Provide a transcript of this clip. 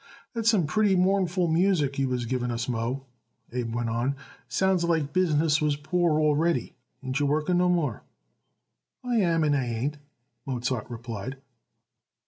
"That's some pretty mournful music you was giving us, Moe," Abe went on. "Sounds like business was poor already. Ain't you working no more?" "I am and I ain't," Mozart replied.